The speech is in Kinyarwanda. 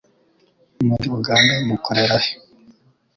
muri uganda mukorera he